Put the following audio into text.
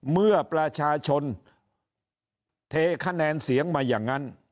เมื่อประชาชนเทคะแนนเสียงมาอย่างนั้น